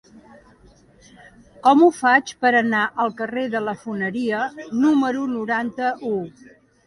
Com ho faig per anar al carrer de la Foneria número noranta-u?